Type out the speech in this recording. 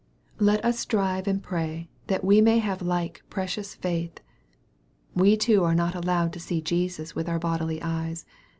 Let us strive and pray that we may have like precious faith. We too are not allowed to see Jesus with our bodily eyes.